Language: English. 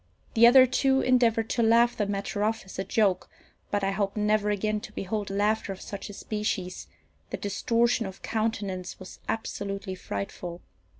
The other two endeavoured to laugh the matter off as a joke, but I hope never again to behold laughter of such a species: the distortion of countenance was absolutely frightful.